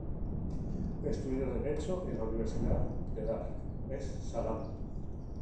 Estudió derecho en la Universidad de Dar es Salaam.